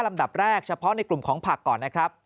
๕ลำดับแรกเฉพาะในกลุ่มของผักก่อน